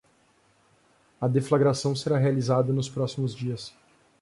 A deflagração será realizada nos próximos dias